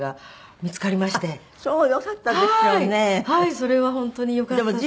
それは本当によかったです。